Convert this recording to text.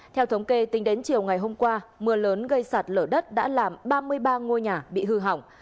theo thống kê tính đến chiều ngày hôm qua mưa lớn gây sạt lở đất đã làm ba mươi ba ngôi nhà bị hư hỏng